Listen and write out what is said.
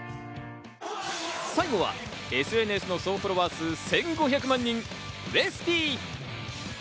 最後はＳＮＳの総フォロワー数１５００万人、ウエスＰ。